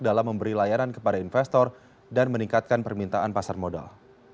dalam memberi layanan kepada investor dan meningkatkan permintaan pasar modal